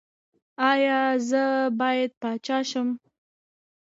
ایا زه باید پاچا شم؟